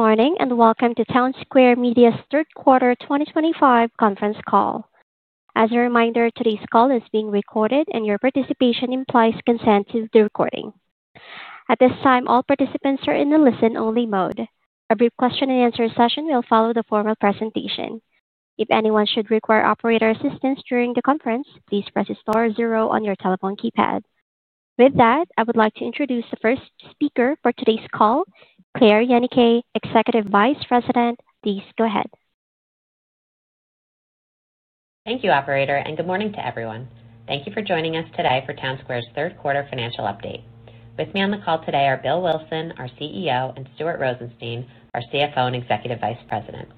Good morning and welcome to Townsquare Media's third quarter 2025 conference call. As a reminder, today's call is being recorded and your participation implies consent to the recording. At this time, all participants are in the listen-only mode. A brief question-and-answer session will follow the formal presentation. If anyone should require operator assistance during the conference, please press star zero on your telephone keypad. With that, I would like to introduce the first speaker for today's call, Claire Yenicay, Executive Vice President. Please go ahead. Thank you, Operator, and good morning to everyone. Thank you for joining us today for Townsquare's third quarter financial update. With me on the call today are Bill Wilson, our CEO, and Stuart Rosenstein, our CFO and Executive Vice President.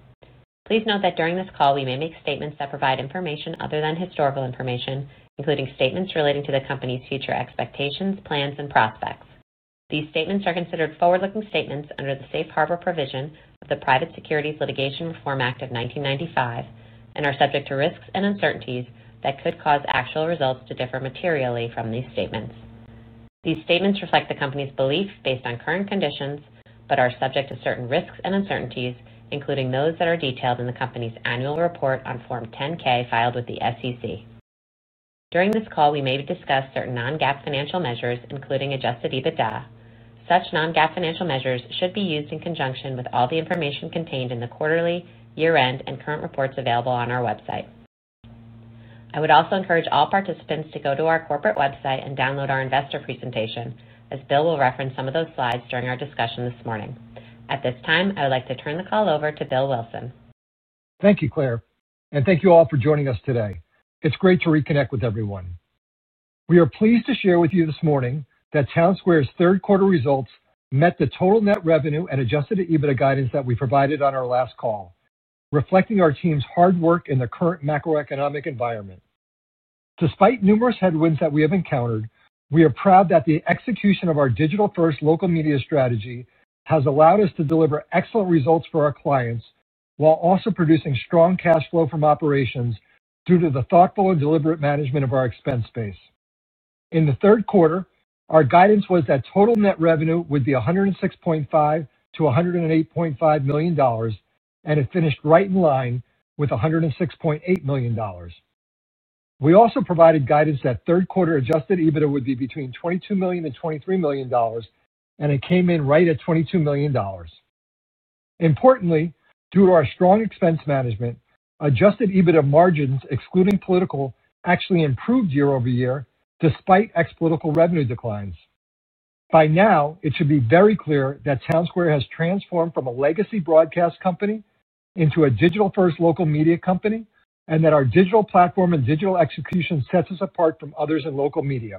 Please note that during this call, we may make statements that provide information other than historical information, including statements relating to the company's future expectations, plans, and prospects. These statements are considered forward-looking statements under the Safe Harbor Provision of the Private Securities Litigation Reform Act of 1995 and are subject to risks and uncertainties that could cause actual results to differ materially from these statements. These statements reflect the company's belief based on current conditions but are subject to certain risks and uncertainties, including those that are detailed in the company's annual report on Form 10-K filed with the SEC. During this call, we may discuss certain non-GAAP financial measures, including adjusted EBITDA. Such non-GAAP financial measures should be used in conjunction with all the information contained in the quarterly, year-end, and current reports available on our website. I would also encourage all participants to go to our corporate website and download our investor presentation, as Bill will reference some of those slides during our discussion this morning. At this time, I would like to turn the call over to Bill Wilson. Thank you, Claire, and thank you all for joining us today. It's great to reconnect with everyone. We are pleased to share with you this morning that Townsquare's third quarter results met the total net revenue and adjusted EBITDA guidance that we provided on our last call, reflecting our team's hard work in the current macroeconomic environment. Despite numerous headwinds that we have encountered, we are proud that the execution of our digital-first local media strategy has allowed us to deliver excellent results for our clients while also producing strong cash flow from operations due to the thoughtful and deliberate management of our expense space. In the third quarter, our guidance was that total net revenue would be $106.5 million-$108.5 million, and it finished right in line with $106.8 million. We also provided guidance that third quarter adjusted EBITDA would be between $22 million and $23 million, and it came in right at $22 million. Importantly, due to our strong expense management, adjusted EBITDA margins, excluding political, actually improved year-over-year despite ex-political revenue declines. By now, it should be very clear that Townsquare has transformed from a legacy broadcast company into a digital-first local media company and that our digital platform and digital execution sets us apart from others in local media.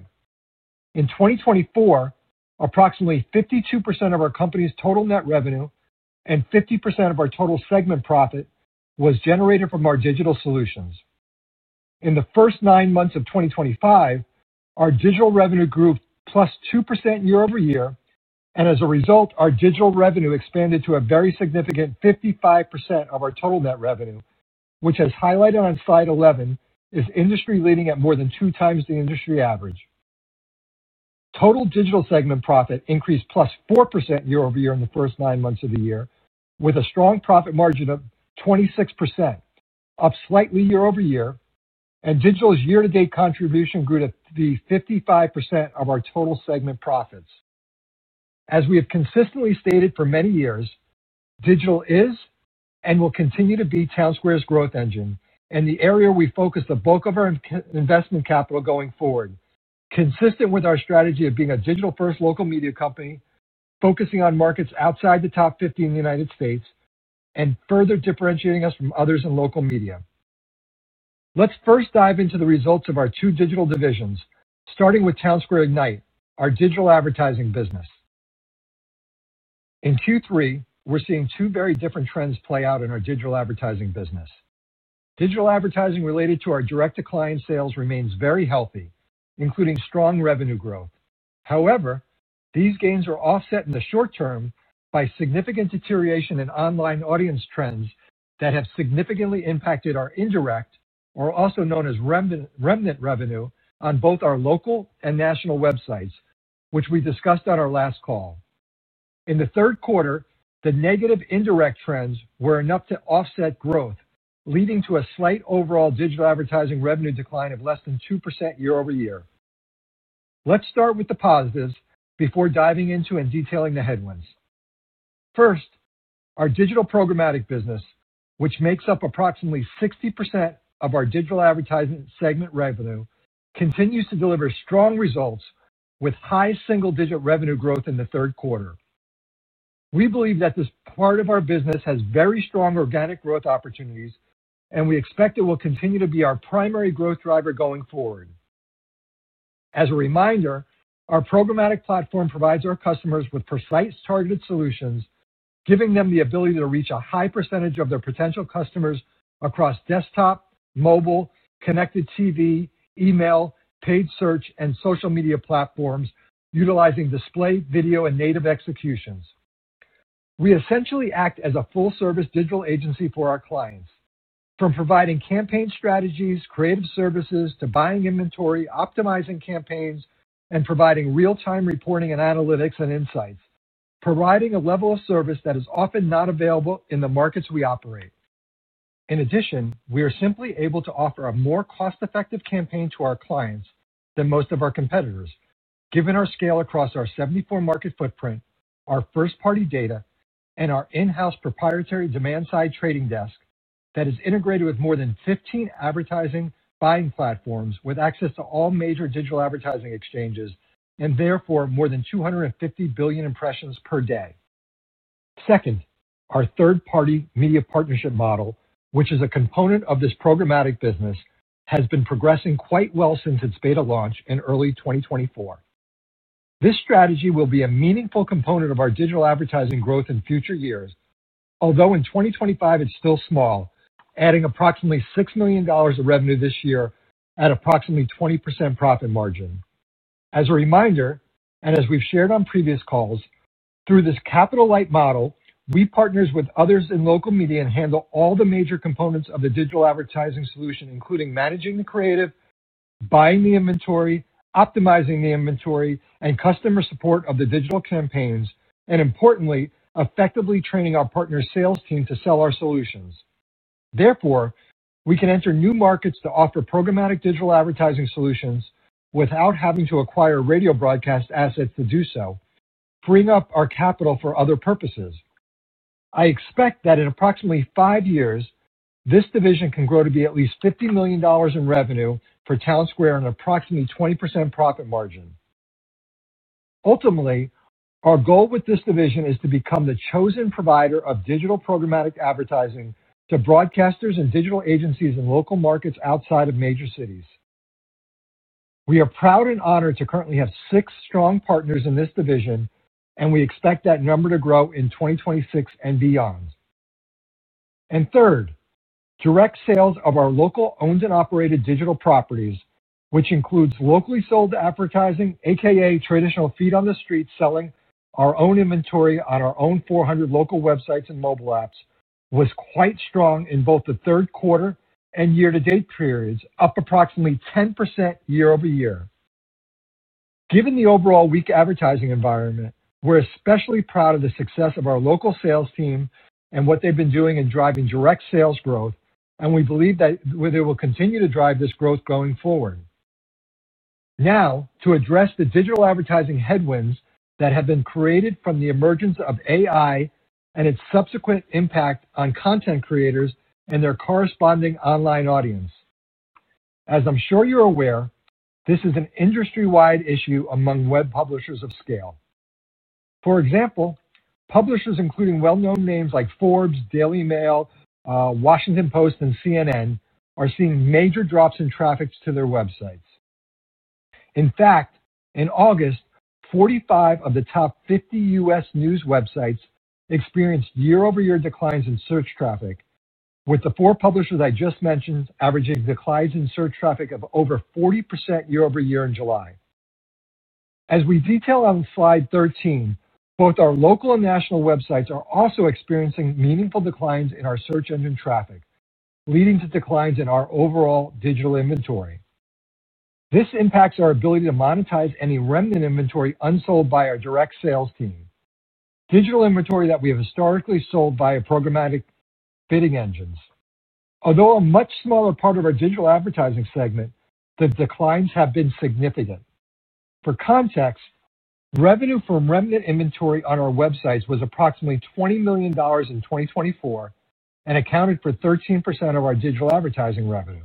In 2024, approximately 52% of our company's total net revenue and 50% of our total segment profit was generated from our digital solutions. In the first nine months of 2025, our digital revenue grew +2% year-over-year, and as a result, our digital revenue expanded to a very significant 55% of our total net revenue, which, as highlighted on slide 11, is industry-leading at more than two times the industry average. Total digital segment profit increased +4% year-over-year in the first nine months of the year, with a strong profit margin of 26%, up slightly year-over-year, and digital's year-to-date contribution grew to 55% of our total segment profits. As we have consistently stated for many years, digital is and will continue to be Townsquare's growth engine and the area we focus the bulk of our investment capital going forward, consistent with our strategy of being a digital-first local media company, focusing on markets outside the top 50 in the United States and further differentiating us from others in local media. Let's first dive into the results of our two digital divisions, starting with Townsquare Ignite, our digital advertising business. In Q3, we're seeing two very different trends play out in our digital advertising business. Digital advertising related to our direct-to-client sales remains very healthy, including strong revenue growth. However, these gains are offset in the short term by significant deterioration in online audience trends that have significantly impacted our indirect, or also known as remnant revenue, on both our local and national websites, which we discussed on our last call. In the third quarter, the negative indirect trends were enough to offset growth, leading to a slight overall digital advertising revenue decline of less than 2% year-over-year. Let's start with the positives before diving into and detailing the headwinds. First, our digital programmatic business, which makes up approximately 60% of our digital advertising segment revenue, continues to deliver strong results with high single-digit revenue growth in the third quarter. We believe that this part of our business has very strong organic growth opportunities, and we expect it will continue to be our primary growth driver going forward. As a reminder, our programmatic platform provides our customers with price-targeted solutions, giving them the ability to reach a high percentage of their potential customers across desktop, mobile, connected TV, email, paid search, and social media platforms, utilizing display, video, and native executions. We essentially act as a full-service digital agency for our clients, from providing campaign strategies, creative services, to buying inventory, optimizing campaigns, and providing real-time reporting and analytics and insights, providing a level of service that is often not available in the markets we operate. In addition, we are simply able to offer a more cost-effective campaign to our clients than most of our competitors, given our scale across our 74-market footprint, our first-party data, and our in-house proprietary demand-side trading desk that is integrated with more than 15 advertising buying platforms with access to all major digital advertising exchanges and, therefore, more than 250 billion impressions per day. Second, our third-party media partnership model, which is a component of this programmatic business, has been progressing quite well since its beta launch in early 2024. This strategy will be a meaningful component of our digital advertising growth in future years, although in 2025 it's still small, adding approximately $6 million of revenue this year at approximately 20% profit margin. As a reminder, and as we've shared on previous calls, through this capital-light model, we partner with others in local media and handle all the major components of the digital advertising solution, including managing the creative, buying the inventory, optimizing the inventory, and customer support of the digital campaigns, and importantly, effectively training our partner sales team to sell our solutions. Therefore, we can enter new markets to offer programmatic digital advertising solutions without having to acquire radio broadcast assets to do so, freeing up our capital for other purposes. I expect that in approximately five years, this division can grow to be at least $50 million in revenue for Townsquare and an approximately 20% profit margin. Ultimately, our goal with this division is to become the chosen provider of digital programmatic advertising to broadcasters and digital agencies in local markets outside of major cities. We are proud and honored to currently have six strong partners in this division, and we expect that number to grow in 2026 and beyond. Third, direct sales of our local owned and operated digital properties, which includes locally sold advertising, a.k.a. traditional feet-on-the-street selling our own inventory on our own 400 local websites and mobile apps, was quite strong in both the third quarter and year-to-date periods, up approximately 10% year-over-year. Given the overall weak advertising environment, we're especially proud of the success of our local sales team and what they've been doing in driving direct sales growth, and we believe that they will continue to drive this growth going forward. Now, to address the digital advertising headwinds that have been created from the emergence of AI and its subsequent impact on content creators and their corresponding online audience. As I'm sure you're aware, this is an industry-wide issue among web publishers of scale. For example, publishers including well-known names like Forbes, Daily Mail, Washington Post, and CNN are seeing major drops in traffic to their websites. In fact, in August, 45 of the top 50 U.S. news websites experienced year-over-year declines in search traffic, with the four publishers I just mentioned averaging declines in search traffic of over 40% year-over-year in July. As we detail on slide 13, both our local and national websites are also experiencing meaningful declines in our search engine traffic, leading to declines in our overall digital inventory. This impacts our ability to monetize any remnant inventory unsold by our direct sales team, digital inventory that we have historically sold via programmatic bidding engines. Although a much smaller part of our digital advertising segment, the declines have been significant. For context, revenue from remnant inventory on our websites was approximately $20 million in 2024 and accounted for 13% of our digital advertising revenue.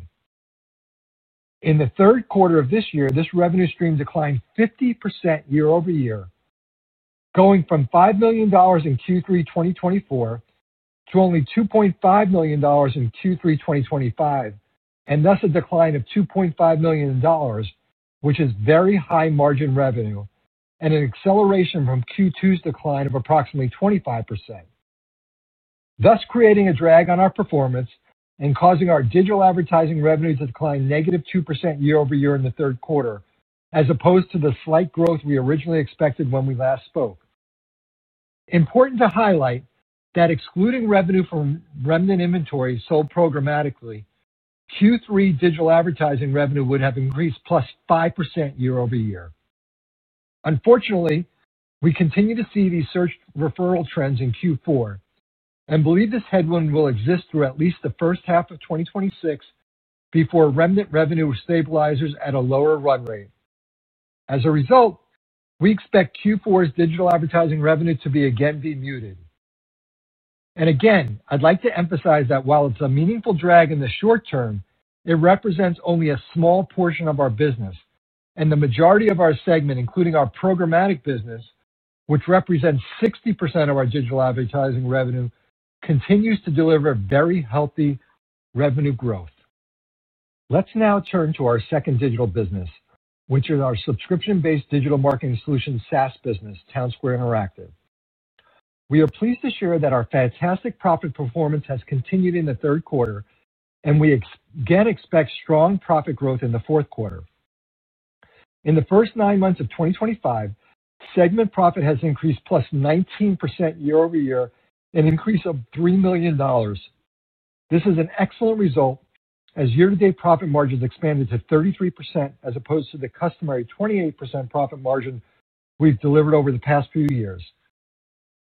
In the third quarter of this year, this revenue stream declined 50% year-over-year, going from $5 million in Q3 2024 to only $2.5 million in Q3 2025, and thus a decline of $2.5 million, which is very high margin revenue, and an acceleration from Q2's decline of approximately 25%, thus creating a drag on our performance and causing our digital advertising revenues to decline -2% year-over-year in the third quarter, as opposed to the slight growth we originally expected when we last spoke. Important to highlight that excluding revenue from remnant inventory sold programmatically, Q3 digital advertising revenue would have increased +5% year-over-year. Unfortunately, we continue to see these search referral trends in Q4 and believe this headwind will exist through at least the first half of 2026 before remnant revenue stabilizes at a lower run rate. As a result, we expect Q4's digital advertising revenue to be again demuted. I would like to emphasize that while it is a meaningful drag in the short term, it represents only a small portion of our business, and the majority of our segment, including our programmatic business, which represents 60% of our digital advertising revenue, continues to deliver very healthy revenue growth. Let's now turn to our second digital business, which is our subscription-based digital marketing solution SaaS business, Townsquare Interactive. We are pleased to share that our fantastic profit performance has continued in the third quarter, and we again expect strong profit growth in the fourth quarter. In the first nine months of 2025, segment profit has increased +19% year-over-year, an increase of $3 million. This is an excellent result as year-to-date profit margins expanded to 33% as opposed to the customary 28% profit margin we've delivered over the past few years.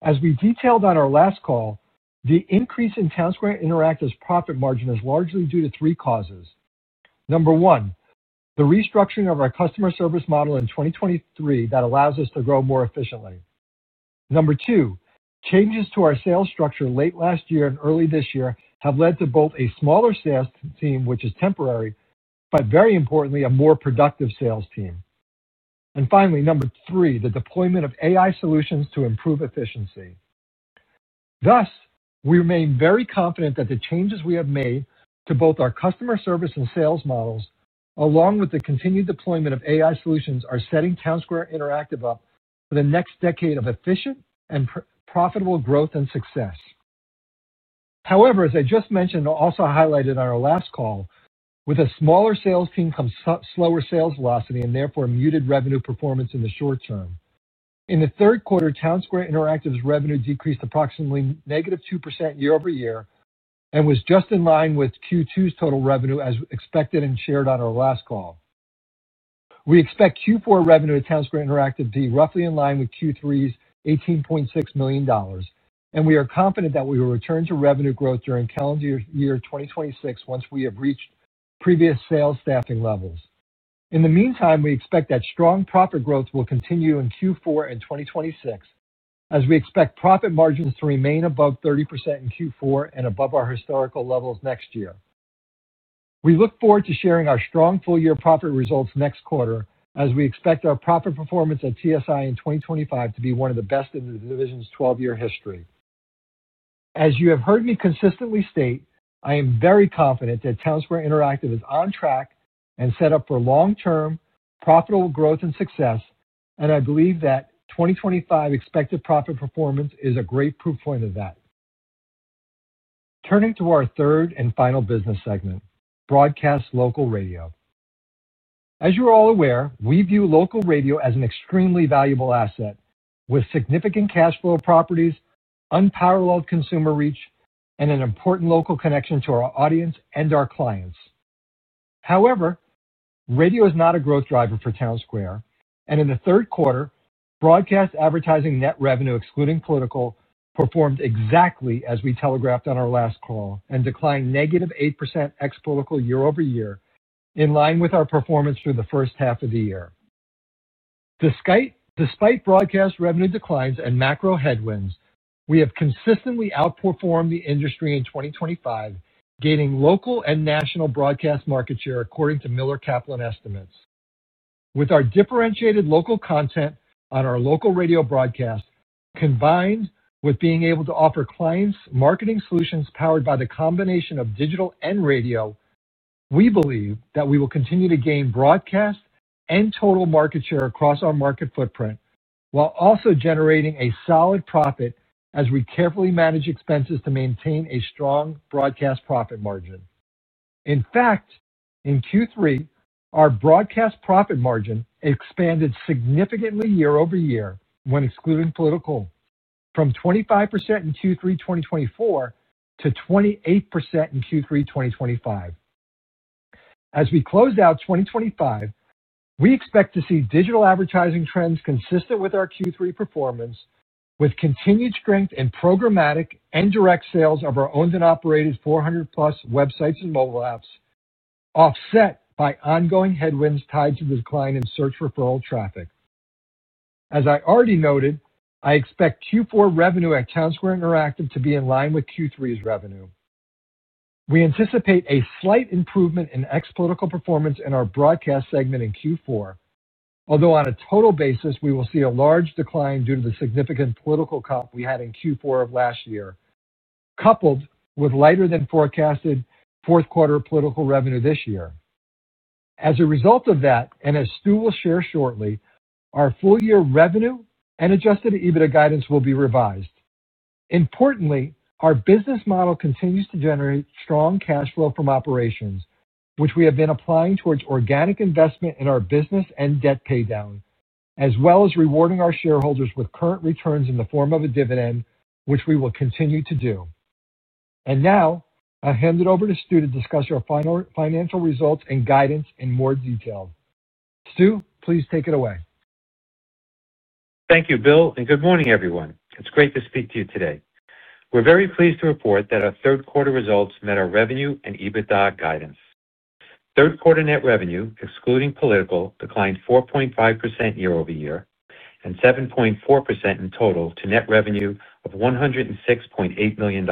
As we detailed on our last call, the increase in Townsquare Interactive's profit margin is largely due to three causes. Number one, the restructuring of our customer service model in 2023 that allows us to grow more efficiently. Number two, changes to our sales structure late last year and early this year have led to both a smaller sales team, which is temporary, but very importantly, a more productive sales team. Finally, number three, the deployment of AI solutions to improve efficiency. Thus, we remain very confident that the changes we have made to both our customer service and sales models, along with the continued deployment of AI solutions, are setting Townsquare Interactive up for the next decade of efficient and profitable growth and success. However, as I just mentioned and also highlighted on our last call, with a smaller sales team comes slower sales velocity and therefore muted revenue performance in the short term. In the third quarter, Townsquare Interactive's revenue decreased approximately -2% year-over-year and was just in line with Q2's total revenue as expected and shared on our last call. We expect Q4 revenue at Townsquare Interactive to be roughly in line with Q3's $18.6 million, and we are confident that we will return to revenue growth during calendar year 2026 once we have reached previous sales staffing levels. In the meantime, we expect that strong profit growth will continue in Q4 and 2026, as we expect profit margins to remain above 30% in Q4 and above our historical levels next year. We look forward to sharing our strong full-year profit results next quarter, as we expect our profit performance at TSI in 2025 to be one of the best in the division's 12-year history. As you have heard me consistently state, I am very confident that Townsquare Interactive is on track and set up for long-term profitable growth and success, and I believe that 2025 expected profit performance is a great proof point of that. Turning to our third and final business segment, broadcast local radio. As you're all aware, we view local radio as an extremely valuable asset, with significant cash flow properties, unparalleled consumer reach, and an important local connection to our audience and our clients. However, radio is not a growth driver for Townsquare, and in the third quarter, broadcast advertising net revenue, excluding political, performed exactly as we telegraphed on our last call and declined -8% ex-political year-over-year, in line with our performance through the first half of the year. Despite broadcast revenue declines and macro headwinds, we have consistently outperformed the industry in 2025, gaining local and national broadcast market share according to Miller Kaplan estimates. With our differentiated local content on our local radio broadcast, combined with being able to offer clients marketing solutions powered by the combination of digital and radio, we believe that we will continue to gain broadcast and total market share across our market footprint, while also generating a solid profit as we carefully manage expenses to maintain a strong broadcast profit margin. In fact, in Q3, our broadcast profit margin expanded significantly year-over-year when excluding political, from 25% in Q3 2024 to 28% in Q3 2025. As we close out 2025, we expect to see digital advertising trends consistent with our Q3 performance, with continued strength in programmatic and direct sales of our owned and operated 400+ websites and mobile apps, offset by ongoing headwinds tied to the decline in search referral traffic. As I already noted, I expect Q4 revenue at Townsquare Interactive to be in line with Q3's revenue. We anticipate a slight improvement in ex-political performance in our broadcast segment in Q4, although on a total basis, we will see a large decline due to the significant political comp we had in Q4 of last year, coupled with lighter-than-forecasted fourth-quarter political revenue this year. As a result of that, and as Stu will share shortly, our full-year revenue and adjusted EBITDA guidance will be revised. Importantly, our business model continues to generate strong cash flow from operations, which we have been applying towards organic investment in our business and debt paydown, as well as rewarding our shareholders with current returns in the form of a dividend, which we will continue to do. Now, I'll hand it over to Stu to discuss our financial results and guidance in more detail. Stu, please take it away. Thank you, Bill, and good morning, everyone. It's great to speak to you today. We're very pleased to report that our third-quarter results met our revenue and EBITDA guidance. Third-quarter net revenue, excluding political, declined 4.5% year-over-year and 7.4% in total to net revenue of $106.8 million,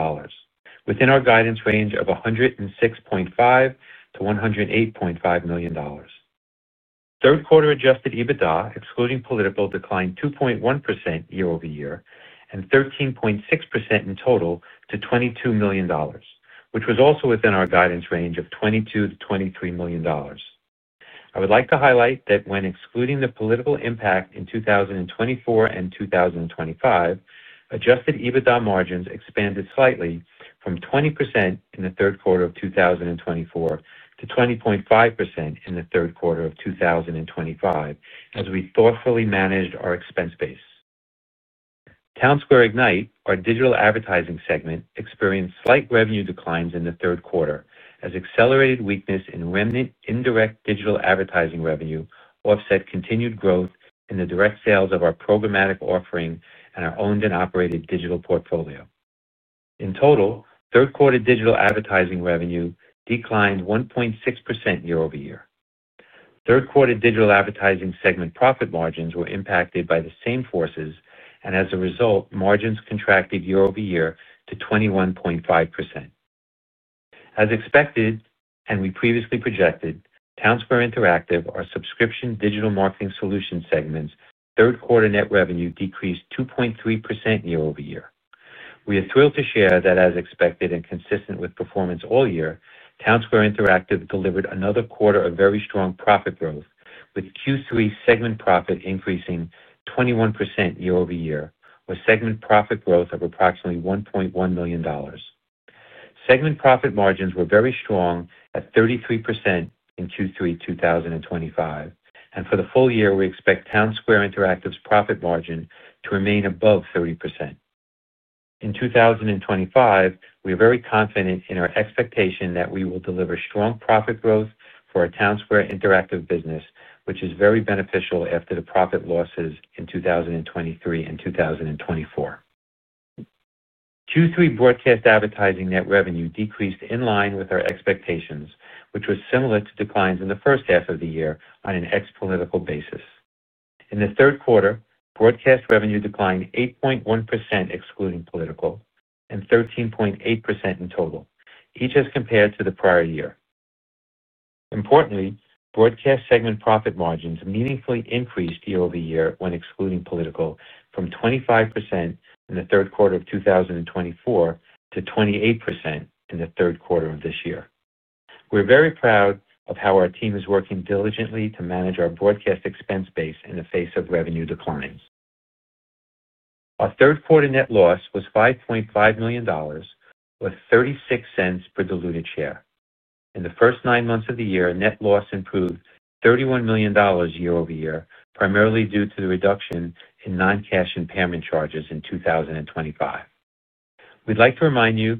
within our guidance range of $106.5 million-$108.5 million. Third-quarter adjusted EBITDA, excluding political, declined 2.1% year-over-year and 13.6% in total to $22 million, which was also within our guidance range of $22 million-$23 million. I would like to highlight that when excluding the political impact in 2024 and 2025, adjusted EBITDA margins expanded slightly from 20% in the third quarter of 2024 to 20.5% in the third quarter of 2025, as we thoughtfully managed our expense base. Townsquare Ignite, our digital advertising segment, experienced slight revenue declines in the third quarter, as accelerated weakness in remnant indirect digital advertising revenue offset continued growth in the direct sales of our programmatic offering and our owned and operated digital portfolio. In total, third-quarter digital advertising revenue declined 1.6% year-over-year. Third-quarter digital advertising segment profit margins were impacted by the same forces, and as a result, margins contracted year-over-year to 21.5%. As expected and we previously projected, Townsquare Interactive, our subscription digital marketing solution segment's third-quarter net revenue decreased 2.3% year-over-year. We are thrilled to share that, as expected and consistent with performance all year, Townsquare Interactive delivered another quarter of very strong profit growth, with Q3 segment profit increasing 21% year-over-year, with segment profit growth of approximately $1.1 million. Segment profit margins were very strong at 33% in Q3 2025, and for the full year, we expect Townsquare Interactive's profit margin to remain above 30%. In 2025, we are very confident in our expectation that we will deliver strong profit growth for our Townsquare Interactive business, which is very beneficial after the profit losses in 2023 and 2024. Q3 broadcast advertising net revenue decreased in line with our expectations, which was similar to declines in the first half of the year on an ex-political basis. In the third quarter, broadcast revenue declined 8.1% excluding political and 13.8% in total, each as compared to the prior year. Importantly, broadcast segment profit margins meaningfully increased year-over-year when excluding political from 25% in the third quarter of 2024 to 28% in the third quarter of this year. We're very proud of how our team is working diligently to manage our broadcast expense base in the face of revenue declines. Our third-quarter net loss was $5.5 million, with $0.36 per diluted share. In the first nine months of the year, net loss improved $31 million year-over-year, primarily due to the reduction in non-cash impairment charges in 2025. We'd like to remind you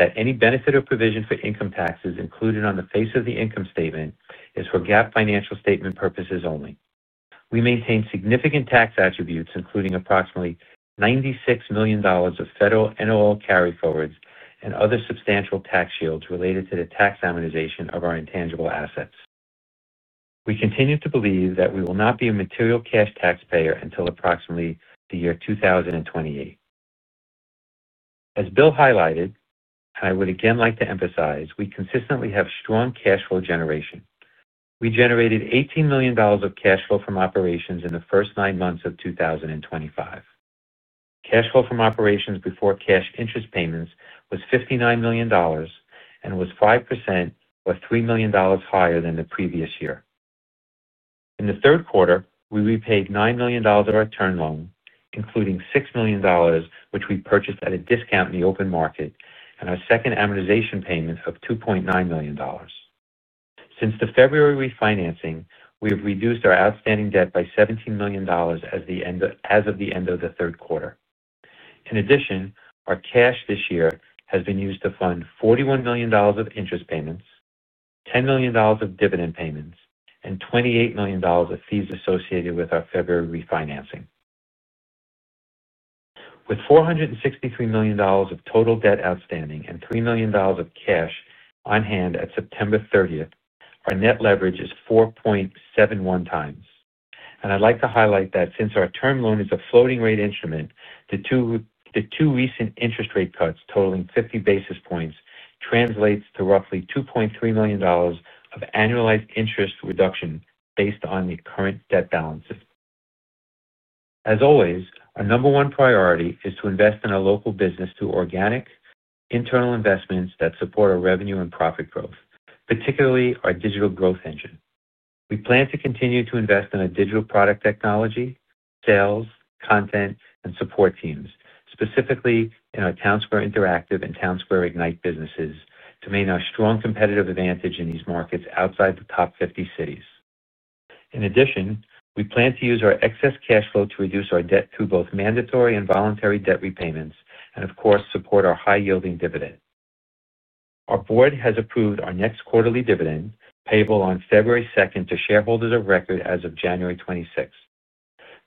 that any benefit or provision for income taxes included on the face of the income statement is for GAAP financial statement purposes only. We maintain significant tax attributes, including approximately $96 million of federal NOL carryforwards and other substantial tax shields related to the tax amortization of our intangible assets. We continue to believe that we will not be a material cash taxpayer until approximately the year 2028. As Bill highlighted, and I would again like to emphasize, we consistently have strong cash flow generation. We generated $18 million of cash flow from operations in the first nine months of 2025. Cash flow from operations before cash interest payments was $59 million and was 5% or $3 million higher than the previous year. In the third quarter, we repaid $9 million of our term loan, including $6 million, which we purchased at a discount in the open market, and our second amortization payment of $2.9 million. Since the February refinancing, we have reduced our outstanding debt by $17 million as of the end of the third quarter. In addition, our cash this year has been used to fund $41 million of interest payments, $10 million of dividend payments, and $28 million of fees associated with our February refinancing. With $463 million of total debt outstanding and $3 million of cash on hand at September 30th, our net leverage is 4.71 times. I would like to highlight that since our term loan is a floating-rate instrument, the two recent interest rate cuts totaling 50 basis points translates to roughly $2.3 million of annualized interest reduction based on the current debt balances. As always, our number one priority is to invest in a local business through organic, internal investments that support our revenue and profit growth, particularly our digital growth engine. We plan to continue to invest in our digital product technology, sales, content, and support teams, specifically in our Townsquare Interactive and Townsquare Ignite businesses, to maintain our strong competitive advantage in these markets outside the top 50 cities. In addition, we plan to use our excess cash flow to reduce our debt through both mandatory and voluntary debt repayments and, of course, support our high-yielding dividend. Our board has approved our next quarterly dividend, payable on February 2nd to shareholders of record as of January 26th.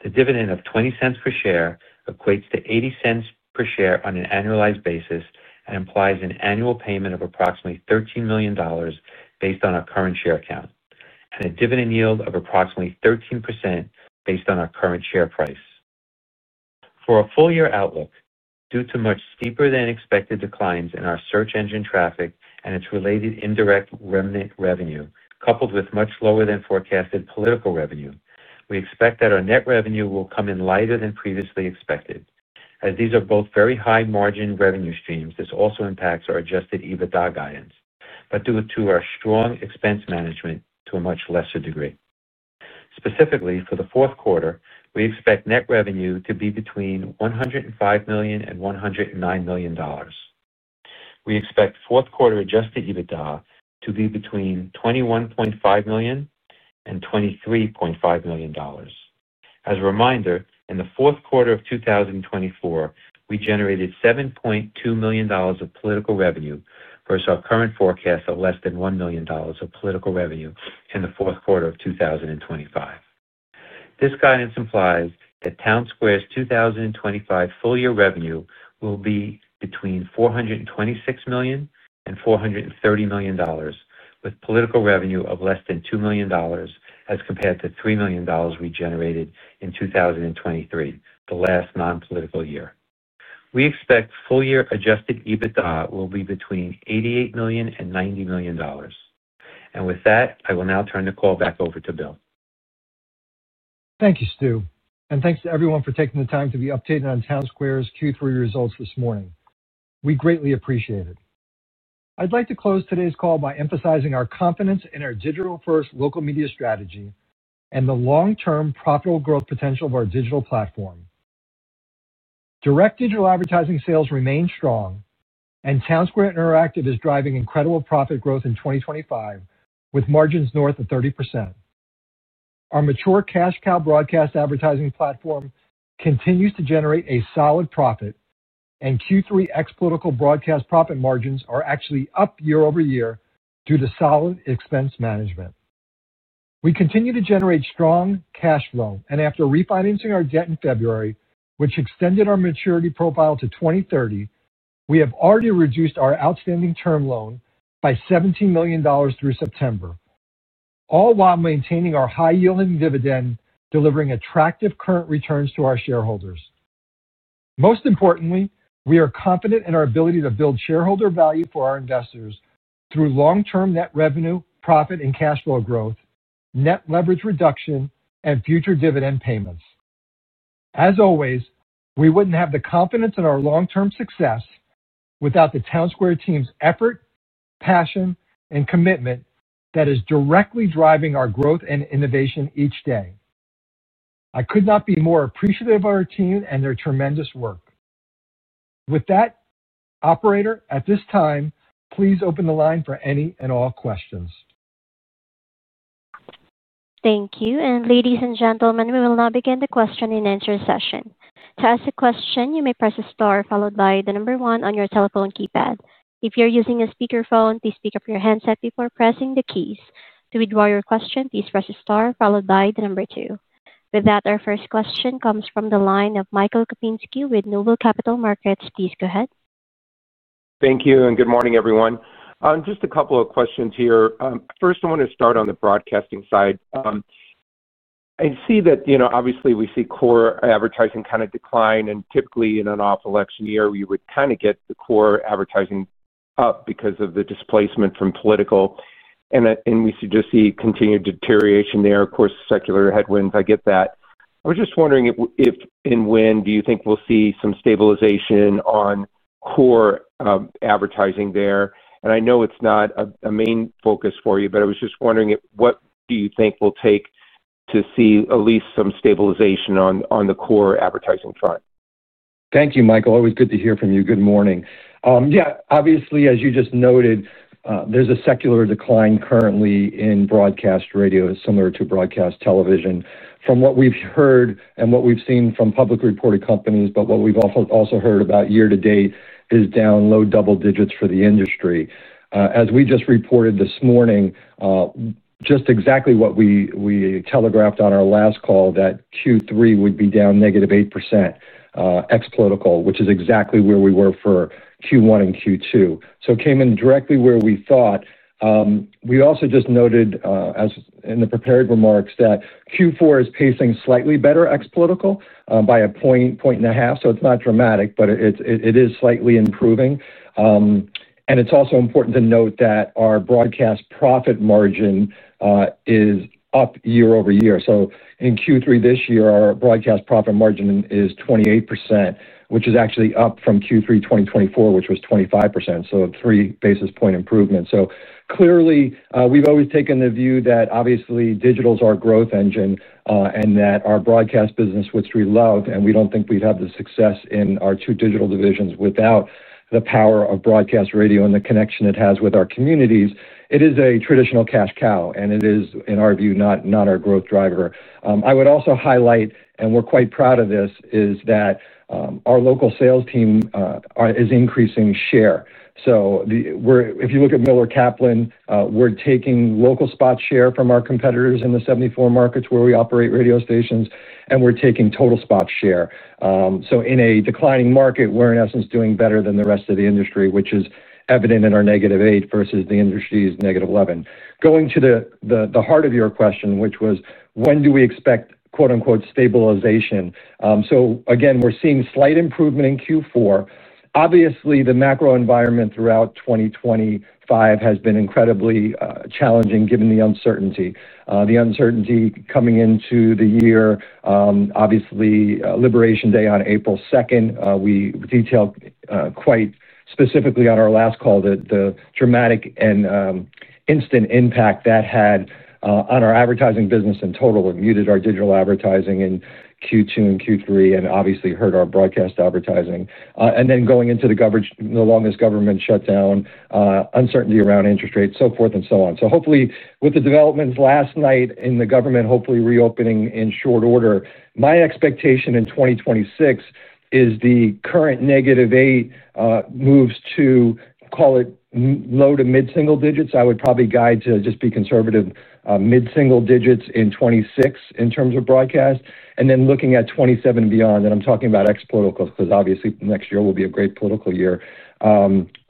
The dividend of $0.20 per share equates to $0.80 per share on an annualized basis and implies an annual payment of approximately $13 million based on our current share count, and a dividend yield of approximately 13% based on our current share price. For a full-year outlook, due to much steeper-than-expected declines in our search engine traffic and its related indirect remnant revenue, coupled with much lower-than-forecasted political revenue, we expect that our net revenue will come in lighter than previously expected. As these are both very high-margin revenue streams, this also impacts our adjusted EBITDA guidance, but due to our strong expense management to a much lesser degree. Specifically, for the fourth quarter, we expect net revenue to be between $105 million and $109 million. We expect fourth-quarter adjusted EBITDA to be between $21.5 million and $23.5 million. As a reminder, in the fourth quarter of 2024, we generated $7.2 million of political revenue versus our current forecast of less than $1 million of political revenue in the fourth quarter of 2025. This guidance implies that Townsquare's 2025 full-year revenue will be between $426 million and $430 million, with political revenue of less than $2 million as compared to $3 million we generated in 2023, the last non-political year. We expect full-year adjusted EBITDA will be between $88 million and $90 million. With that, I will now turn the call back over to Bill. Thank you, Stu. Thanks to everyone for taking the time to be updated on Townsquare's Q3 results this morning. We greatly appreciate it. I'd like to close today's call by emphasizing our confidence in our digital-first local media strategy and the long-term profitable growth potential of our digital platform. Direct digital advertising sales remain strong, and Townsquare Interactive is driving incredible profit growth in 2025 with margins north of 30%. Our mature cash-cow broadcast advertising platform continues to generate a solid profit, and Q3 ex-political broadcast profit margins are actually up year-over-year due to solid expense management. We continue to generate strong cash flow, and after refinancing our debt in February, which extended our maturity profile to 2030, we have already reduced our outstanding term loan by $17 million through September, all while maintaining our high-yielding dividend, delivering attractive current returns to our shareholders. Most importantly, we are confident in our ability to build shareholder value for our investors through long-term net revenue, profit, and cash flow growth, net leverage reduction, and future dividend payments. As always, we would not have the confidence in our long-term success without the Townsquare team's effort, passion, and commitment that is directly driving our growth and innovation each day. I could not be more appreciative of our team and their tremendous work. With that, Operator, at this time, please open the line for any and all questions. Thank you. Ladies and gentlemen, we will now begin the question-and-answer session. To ask a question, you may press star followed by the number one on your telephone keypad. If you're using a speakerphone, please pick up your headset before pressing the keys. To withdraw your question, please press star followed by the number two. With that, our first question comes from the line of Michael Kupinski with Noble Capital Markets. Please go ahead. Thank you, and good morning, everyone. Just a couple of questions here. First, I want to start on the broadcasting side. I see that, obviously, we see core advertising kind of decline, and typically, in an off-election year, we would kind of get the core advertising up because of the displacement from political, and we should just see continued deterioration there. Of course, secular headwinds, I get that. I was just wondering if and when do you think we'll see some stabilization on core advertising there? I know it's not a main focus for you, but I was just wondering, what do you think will take to see at least some stabilization on the core advertising front? Thank you, Michael. Always good to hear from you. Good morning. Yeah, obviously, as you just noted, there's a secular decline currently in broadcast radio, similar to broadcast television. From what we've heard and what we've seen from publicly reported companies, but what we've also heard about year to date is down low double digits for the industry. As we just reported this morning, just exactly what we telegraphed on our last call, that Q3 would be down -8% ex-political, which is exactly where we were for Q1 and Q2. It came in directly where we thought. We also just noted, in the prepared remarks, that Q4 is pacing slightly better ex-political by a point, point and a half. It is not dramatic, but it is slightly improving. It is also important to note that our broadcast profit margin is up year-over-year. In Q3 this year, our broadcast profit margin is 28%, which is actually up from Q3 2023, which was 25%, so a three percentage point improvement. Clearly, we've always taken the view that, obviously, digital is our growth engine and that our broadcast business, which we love, and we don't think we'd have the success in our two digital divisions without the power of broadcast radio and the connection it has with our communities, it is a traditional cash cow, and it is, in our view, not our growth driver. I would also highlight, and we're quite proud of this, is that our local sales team is increasing share. If you look at Miller Kaplan, we're taking local spot share from our competitors in the 74 markets where we operate radio stations, and we're taking total spot share. In a declining market, we're in essence doing better than the rest of the industry, which is evident in our -8% versus the industry's -11%. Going to the heart of your question, which was, when do we expect "stabilization"? Again, we're seeing slight improvement in Q4. Obviously, the macro environment throughout 2025 has been incredibly challenging given the uncertainty. The uncertainty coming into the year, obviously, Liberation Day on April 2, we detailed quite specifically on our last call the dramatic and instant impact that had on our advertising business in total and muted our digital advertising in Q2 and Q3 and obviously hurt our broadcast advertising. Going into the longest government shutdown, uncertainty around interest rates, so forth and so on. Hopefully, with the developments last night in the government hopefully reopening in short order, my expectation in 2026 is the current -8 moves to, call it, low to mid-single digits. I would probably guide to just be conservative mid-single digits in 2026 in terms of broadcast. Then looking at 2027 and beyond, and I'm talking about ex-political because obviously next year will be a great political year,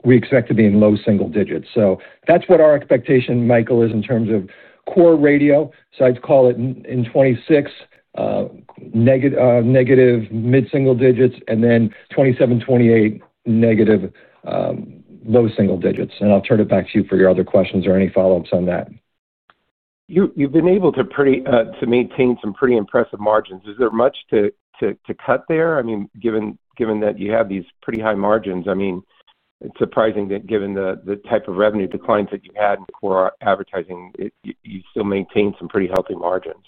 we expect to be in low single digits. That is what our expectation, Michael, is in terms of core radio. I would call it in 2026 negative mid-single digits, and then 2027, 2028 negative low single digits. I will turn it back to you for your other questions or any follow-ups on that. You have been able to maintain some pretty impressive margins. Is there much to cut there? I mean, given that you have these pretty high margins, it is surprising that given the type of revenue declines that you had in core advertising, you still maintain some pretty healthy margins.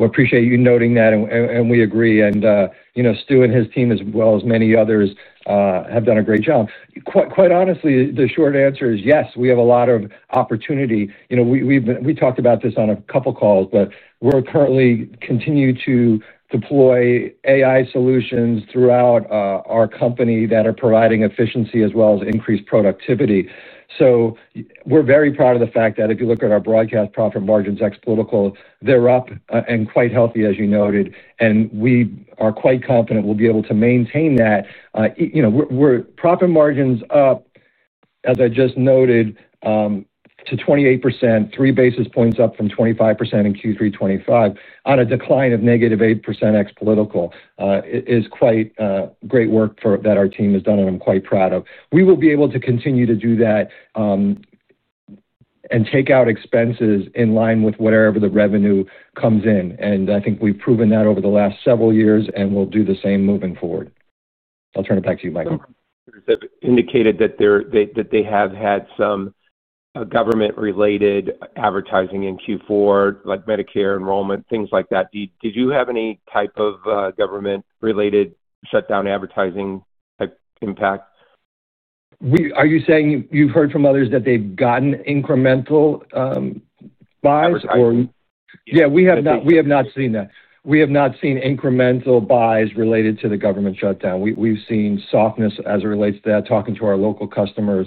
I appreciate you noting that, and we agree. Stu and his team, as well as many others, have done a great job. Quite honestly, the short answer is yes, we have a lot of opportunity. We talked about this on a couple of calls, but we're currently continuing to deploy AI solutions throughout our company that are providing efficiency as well as increased productivity. We're very proud of the fact that if you look at our broadcast profit margins ex-political, they're up and quite healthy, as you noted, and we are quite confident we'll be able to maintain that. Our profit margins are up, as I just noted, to 28%, three basis points up from 25% in Q3 2025 on a decline of negative 8% ex-political. It is quite great work that our team has done, and I'm quite proud of. We will be able to continue to do that and take out expenses in line with whatever the revenue comes in. I think we've proven that over the last several years, and we'll do the same moving forward. I'll turn it back to you, Michael. Indicated that they have had some government-related advertising in Q4, like Medicare enrollment, things like that. Did you have any type of government-related shutdown advertising impact? Are you saying you've heard from others that they've gotten incremental buys or? Yeah, we have not seen that. We have not seen incremental buys related to the government shutdown. We've seen softness as it relates to that. Talking to our local customers,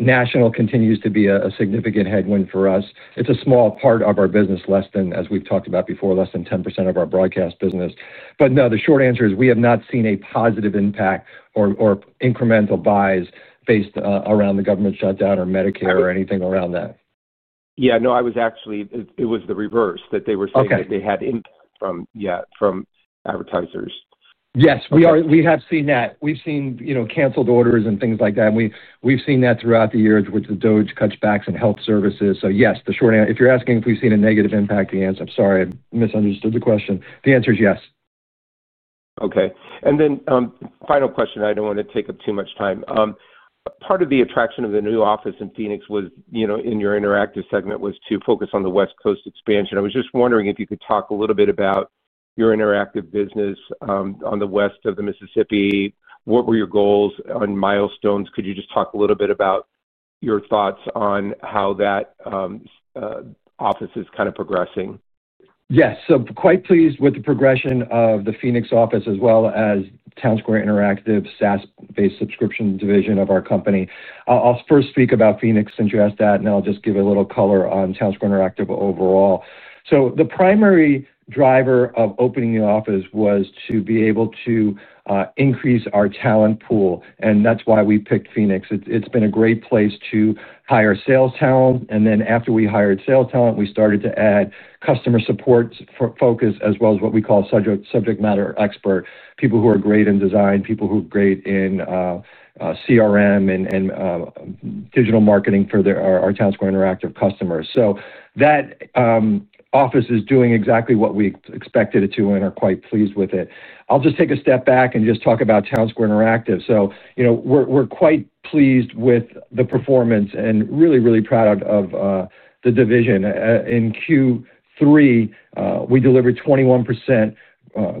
national continues to be a significant headwind for us. It's a small part of our business, less than, as we've talked about before, less than 10% of our broadcast business. No, the short answer is we have not seen a positive impact or incremental buys based around the government shutdown or Medicare or anything around that. Yeah, no, I was actually, it was the reverse that they were saying that they had impact from advertisers. Yes, we have seen that. We've seen canceled orders and things like that. We've seen that throughout the year with the DOGE, Kutchbacks, and health services. Yes, the short answer, if you're asking if we've seen a negative impact, the answer, I'm sorry, I misunderstood the question. The answer is yes. Okay. Final question, I don't want to take up too much time. Part of the attraction of the new office in Phoenix was, in your interactive segment, to focus on the West Coast expansion. I was just wondering if you could talk a little bit about your interactive business on the west of the Mississippi. What were your goals on milestones? Could you just talk a little bit about your thoughts on how that office is kind of progressing? Yes. Quite pleased with the progression of the Phoenix office as well as Townsquare Interactive's SaaS-based subscription division of our company. I'll first speak about Phoenix and address that, and then I'll just give a little color on Townsquare Interactive overall. The primary driver of opening the office was to be able to increase our talent pool, and that's why we picked Phoenix. It's been a great place to hire sales talent. After we hired sales talent, we started to add customer support focus as well as what we call subject matter experts, people who are great in design, people who are great in CRM and digital marketing for our Townsquare Interactive customers. That office is doing exactly what we expected it to and are quite pleased with it. I'll just take a step back and just talk about Townsquare Interactive. We're quite pleased with the performance and really, really proud of the division. In Q3, we delivered 21%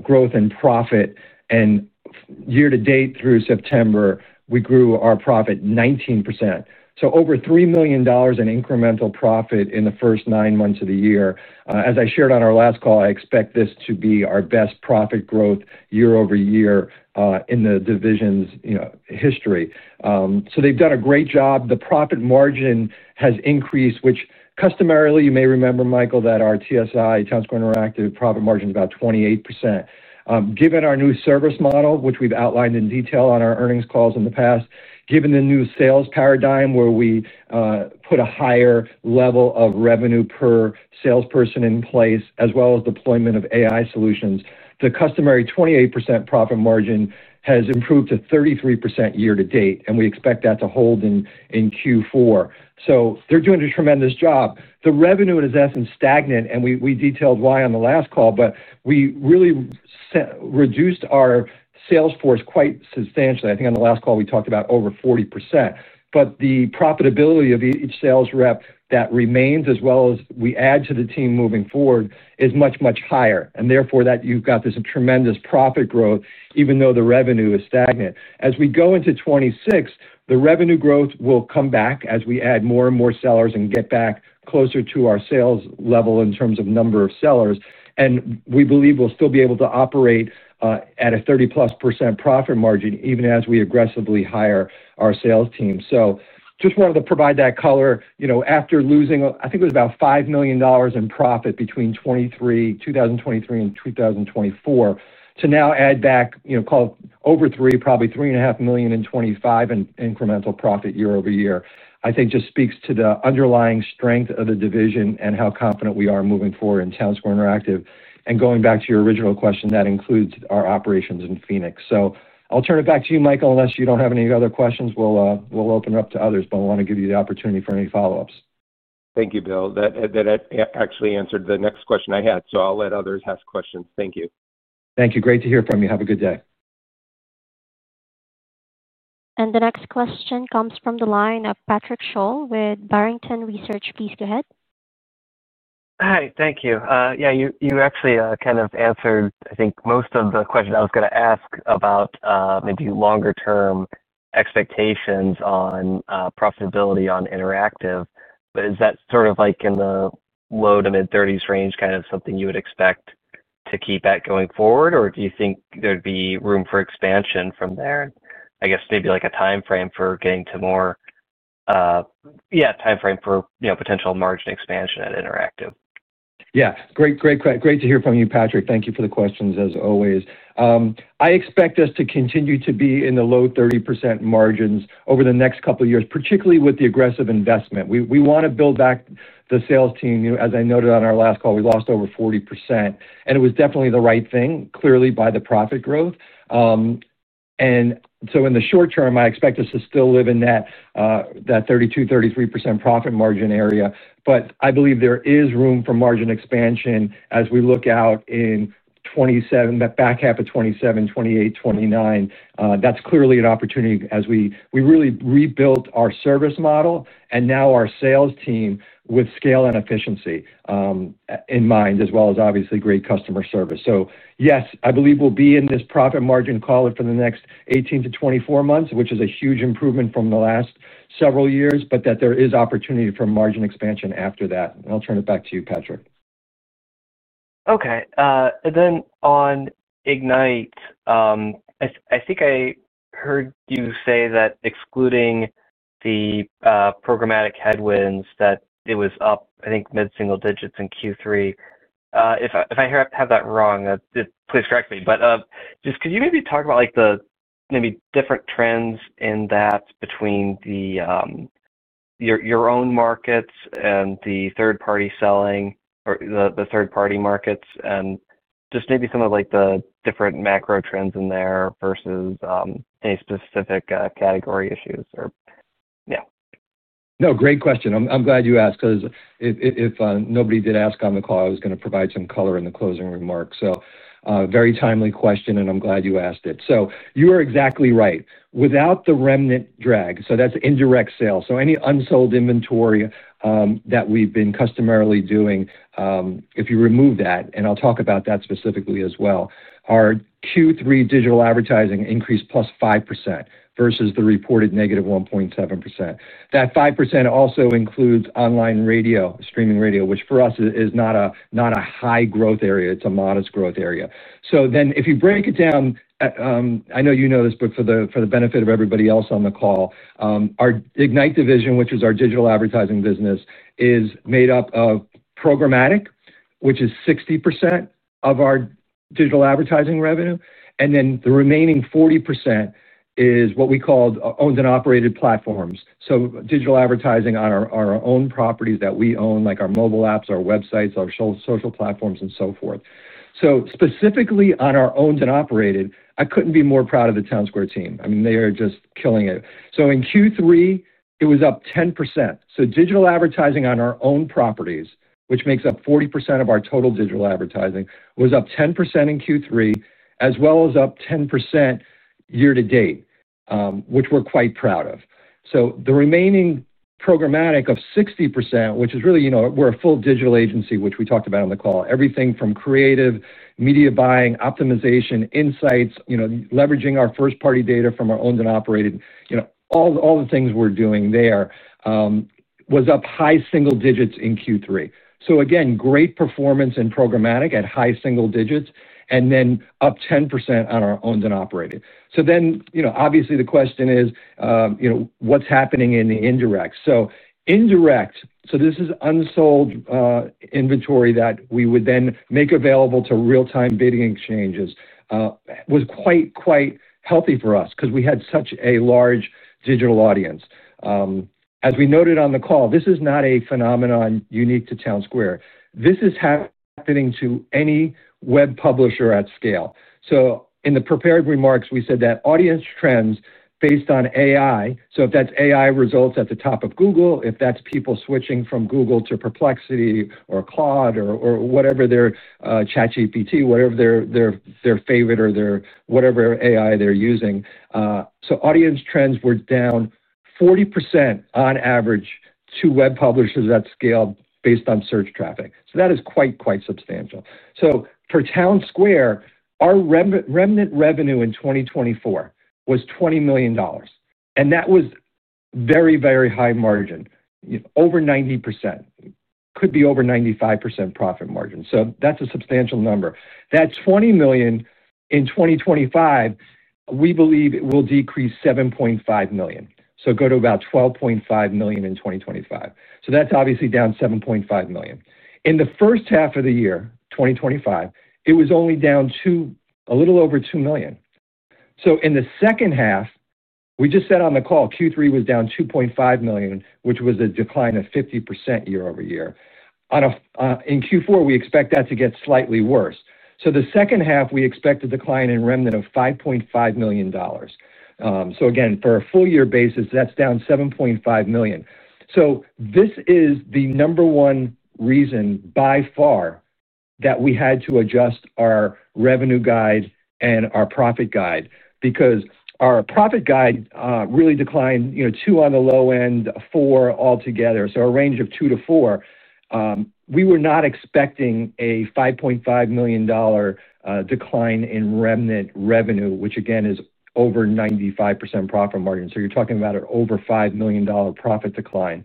growth in profit, and year to date through September, we grew our profit 19%. Over $3 million in incremental profit in the first nine months of the year. As I shared on our last call, I expect this to be our best profit growth year-over-year in the division's history. They've done a great job. The profit margin has increased, which customarily, you may remember, Michael, that our TSI, Townsquare Interactive profit margin is about 28%. Given our new service model, which we've outlined in detail on our earnings calls in the past, given the new sales paradigm where we put a higher level of revenue per salesperson in place as well as deployment of AI solutions, the customary 28% profit margin has improved to 33% year to date, and we expect that to hold in Q4. They are doing a tremendous job. The revenue has been stagnant, and we detailed why on the last call, but we really reduced our sales force quite substantially. I think on the last call, we talked about over 40%. The profitability of each sales rep that remains, as well as we add to the team moving forward, is much, much higher. Therefore, you have got this tremendous profit growth, even though the revenue is stagnant. As we go into 2026, the revenue growth will come back as we add more and more sellers and get back closer to our sales level in terms of number of sellers. We believe we will still be able to operate at a 30+% profit margin even as we aggressively hire our sales team. I just wanted to provide that color. After losing, I think it was about $5 million in profit between 2023 and 2024, to now add back, call it over $3 million, probably $3.5 million in 2025 in incremental profit year-over-year, I think just speaks to the underlying strength of the division and how confident we are moving forward in Townsquare Interactive. Going back to your original question, that includes our operations in Phoenix. I'll turn it back to you, Michael, unless you don't have any other questions. We'll open it up to others, but I want to give you the opportunity for any follow-ups. Thank you, Bill. That actually answered the next question I had. I'll let others ask questions. Thank you. Thank you. Great to hear from you. Have a good day. The next question comes from the line of Patrick Sholl with Barrington Research. Please go ahead. Hi. Thank you. Yeah, you actually kind of answered, I think, most of the question I was going to ask about maybe longer-term expectations on profitability on Interactive. Is that sort of like in the low to mid-30% range, kind of something you would expect to keep at going forward, or do you think there'd be room for expansion from there? I guess maybe like a timeframe for getting to more, yeah, timeframe for potential margin expansion at Interactive. Yeah. Great to hear from you, Patrick. Thank you for the questions, as always. I expect us to continue to be in the low 30% margins over the next couple of years, particularly with the aggressive investment. We want to build back the sales team. As I noted on our last call, we lost over 40%, and it was definitely the right thing, clearly by the profit growth. In the short term, I expect us to still live in that 32%-33% profit margin area. I believe there is room for margin expansion as we look out in that back half of 2027, 2028, 2029. That's clearly an opportunity as we really rebuilt our service model and now our sales team with scale and efficiency in mind, as well as obviously great customer service. Yes, I believe we'll be in this profit margin call for the next 18-24 months, which is a huge improvement from the last several years, but that there is opportunity for margin expansion after that. I'll turn it back to you, Patrick. Okay. Then on Ignite, I think I heard you say that excluding the programmatic headwinds, that it was up, I think, mid-single digits in Q3. If I have that wrong, please correct me. Could you maybe talk about the maybe different trends in that between your own markets and the third-party selling or the third-party markets and just maybe some of the different macro trends in there versus any specific category issues or, yeah? No, great question. I'm glad you asked because if nobody did ask on the call, I was going to provide some color in the closing remarks. Very timely question, and I'm glad you asked it. You are exactly right. Without the remnant drag, so that's indirect sales. Any unsold inventory that we've been customarily doing, if you remove that, and I'll talk about that specifically as well, our Q3 digital advertising increased +5% versus the reported -1.7%. That 5% also includes online radio, streaming radio, which for us is not a high growth area. It's a modest growth area. If you break it down, I know you know this, but for the benefit of everybody else on the call, our Ignite division, which is our digital advertising business, is made up of programmatic, which is 60% of our digital advertising revenue, and then the remaining 40% is what we called owned and operated platforms. Digital advertising on our own properties that we own, like our mobile apps, our websites, our social platforms, and so forth. Specifically on our owned and operated, I could not be more proud of the Townsquare team. I mean, they are just killing it. In Q3, it was up 10%. Digital advertising on our own properties, which makes up 40% of our total digital advertising, was up 10% in Q3, as well as up 10% year to date, which we are quite proud of. The remaining programmatic of 60%, which is really we're a full digital agency, which we talked about on the call, everything from creative, media buying, optimization, insights, leveraging our first-party data from our owned and operated, all the things we're doing there was up high single digits in Q3. Again, great performance in programmatic at high single digits, and then up 10% on our owned and operated. Obviously the question is, what's happening in the indirect? Indirect, so this is unsold inventory that we would then make available to real-time bidding exchanges, was quite, quite healthy for us because we had such a large digital audience. As we noted on the call, this is not a phenomenon unique to Townsquare. This is happening to any web publisher at scale. In the prepared remarks, we said that audience trends based on AI, so if that's AI results at the top of Google, if that's people switching from Google to Perplexity or Claude or whatever their ChatGPT, whatever their favorite or their whatever AI they're using. Audience trends were down 40% on average to web publishers at scale based on search traffic. That is quite, quite substantial. For Townsquare, our remnant revenue in 2024 was $20 million. That was very, very high margin, over 90%, could be over 95% profit margin. That is a substantial number. That $20 million in 2025, we believe it will decrease $7.5 million, so go to about $12.5 million in 2025. That is obviously down $7.5 million. In the first half of the year, 2025, it was only down a little over $2 million. In the second half, we just said on the call, Q3 was down $2.5 million, which was a decline of 50% year-over-year. In Q4, we expect that to get slightly worse. The second half, we expect a decline in remnant of $5.5 million. Again, for a full year basis, that's down $7.5 million. This is the number one reason by far that we had to adjust our revenue guide and our profit guide because our profit guide really declined two on the low end, four altogether. So a range of two to four. We were not expecting a $5.5 million decline in remnant revenue, which again is over 95% profit margin. You're talking about an over $5 million profit decline.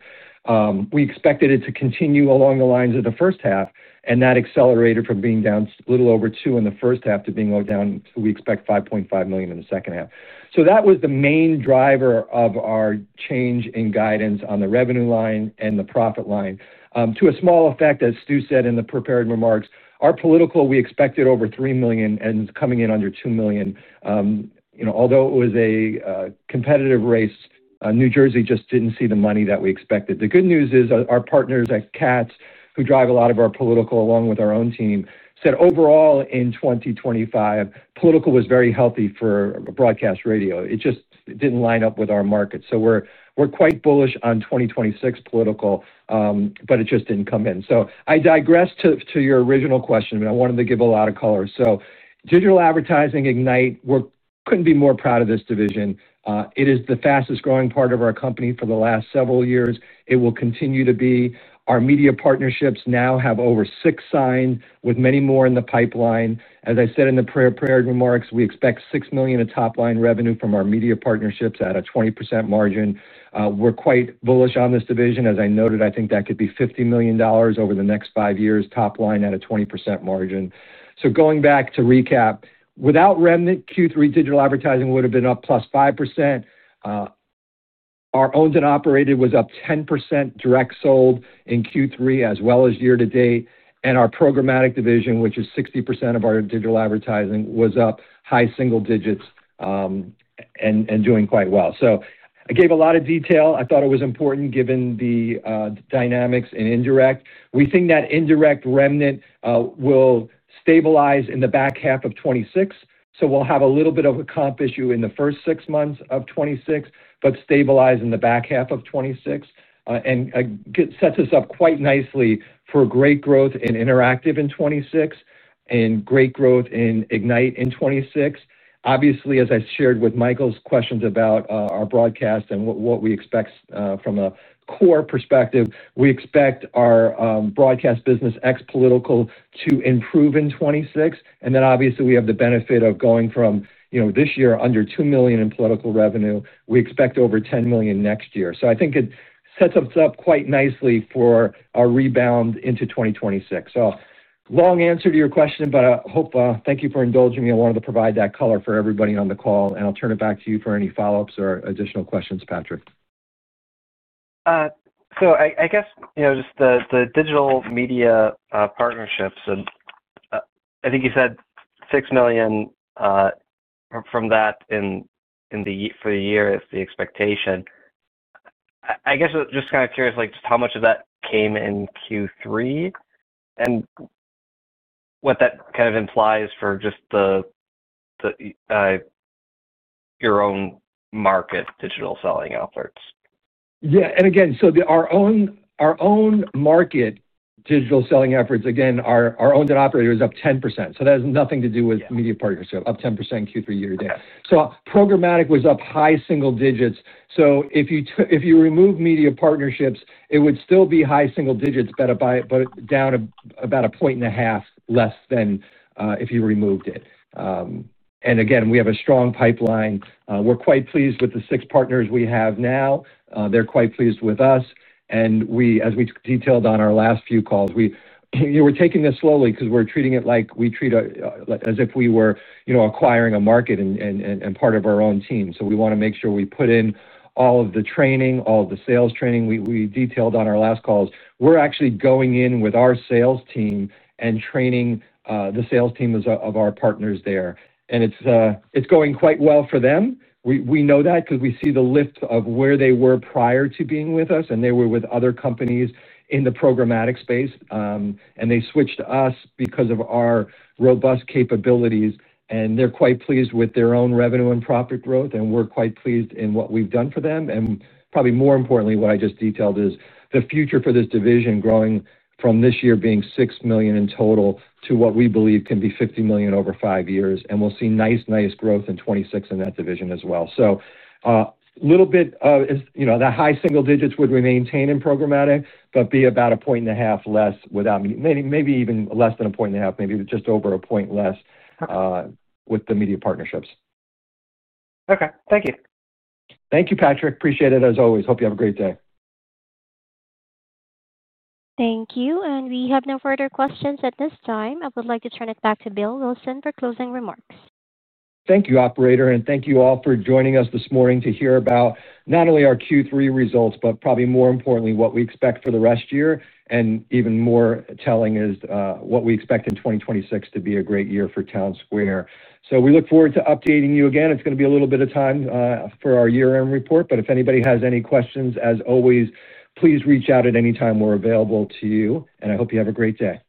We expected it to continue along the lines of the first half, and that accelerated from being down a little over two in the first half to being down, we expect $5.5 million in the second half. That was the main driver of our change in guidance on the revenue line and the profit line. To a small effect, as Stu said in the prepared remarks, our political, we expected over $3 million and coming in under $2 million. Although it was a competitive race, New Jersey just did not see the money that we expected. The good news is our partners at Katz, who drive a lot of our political along with our own team, said overall in 2025, political was very healthy for broadcast radio. It just did not line up with our market. We are quite bullish on 2026 political, but it just did not come in. I digress to your original question, but I wanted to give a lot of color. Digital advertising, Ignite, we couldn't be more proud of this division. It is the fastest growing part of our company for the last several years. It will continue to be. Our media partnerships now have over six signed with many more in the pipeline. As I said in the prepared remarks, we expect $6 million in top-line revenue from our media partnerships at a 20% margin. We're quite bullish on this division. As I noted, I think that could be $50 million over the next five years, top-line at a 20% margin. Going back to recap, without remnant, Q3 digital advertising would have been up +5%. Our owned and operated was up 10% direct sold in Q3 as well as year to date. Our programmatic division, which is 60% of our digital advertising, was up high single digits and doing quite well. I gave a lot of detail. I thought it was important given the dynamics in indirect. We think that indirect remnant will stabilize in the back half of 2026. We will have a little bit of a comp issue in the first six months of 2026, but stabilize in the back half of 2026. It sets us up quite nicely for great growth in Interactive in 2026 and great growth in Ignite in 2026. Obviously, as I shared with Michael's questions about our broadcast and what we expect from a core perspective, we expect our broadcast business ex-political to improve in 2026. Obviously, we have the benefit of going from this year under $2 million in political revenue. We expect over $10 million next year. I think it sets us up quite nicely for our rebound into 2026. Long answer to your question, but I hope thank you for indulging me. I wanted to provide that color for everybody on the call, and I'll turn it back to you for any follow-ups or additional questions, Patrick. I guess just the digital media partnerships, I think you said $6 million from that for the year is the expectation. I guess just kind of curious, just how much of that came in Q3 and what that kind of implies for just your own market digital selling efforts. Yeah. Again, our own market digital selling efforts, our owned and operated was up 10%. That has nothing to do with media partnership, up 10% Q3 year to date. Programmatic was up high single digits. If you remove media partnerships, it would still be high single digits, but down about a point and a half less than if you removed it. Again, we have a strong pipeline. We're quite pleased with the six partners we have now. They're quite pleased with us. As we detailed on our last few calls, we're taking this slowly because we're treating it like we treat it as if we were acquiring a market and part of our own team. We want to make sure we put in all of the training, all of the sales training. We detailed on our last calls. We're actually going in with our sales team and training the sales team of our partners there. It's going quite well for them. We know that because we see the lift of where they were prior to being with us, and they were with other companies in the programmatic space. They switched to us because of our robust capabilities, and they are quite pleased with their own revenue and profit growth, and we are quite pleased in what we have done for them. Probably more importantly, what I just detailed is the future for this division, growing from this year being $6 million in total to what we believe can be $50 million over five years. We will see nice, nice growth in 2026 in that division as well. A little bit of the high single digits would remaintain in programmatic, but be about a point and a half less without, maybe even less than a point and a half, maybe just over a point less with the media partnerships. Okay. Thank you. Thank you, Patrick. Appreciate it as always. Hope you have a great day. Thank you. We have no further questions at this time. I would like to turn it back to Bill Wilson for closing remarks. Thank you, operator. Thank you all for joining us this morning to hear about not only our Q3 results, but probably more importantly, what we expect for the rest of the year. Even more telling is what we expect in 2026 to be a great year for Townsquare. We look forward to updating you again. It is going to be a little bit of time for our year-end report. If anybody has any questions, as always, please reach out at any time. We are available to you. I hope you have a great day.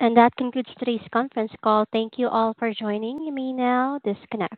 That concludes today's conference call. Thank you all for joining. You may now disconnect.